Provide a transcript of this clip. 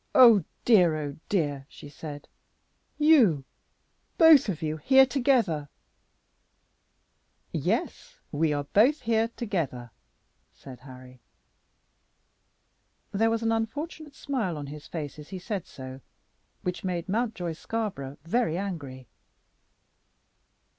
"Oh dear! oh dear!" she said, "you, both of you, here together?" "Yes: we are both here together," said Harry. There was an unfortunate smile on his face as he said so, which made Mountjoy Scarborough very angry.